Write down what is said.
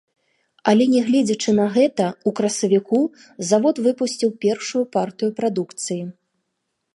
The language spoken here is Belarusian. Але, не гледзячы на гэта, у красавіку завод выпусціў першую партыю прадукцыі.